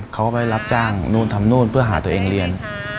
เขาก็ไปรับจ้างนู่นทำนู่นเพื่อหาตัวเองเรียน